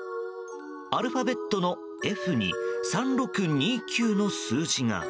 アルファベットの「Ｆ」に「３６２９」の数字が。